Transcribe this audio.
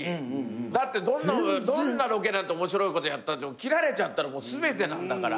だってどんなロケだって面白いことやったって切られちゃったら全てなんだから。